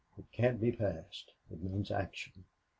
"It can't be passed. It means action.